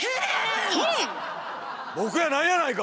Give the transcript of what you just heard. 僕やないやないか！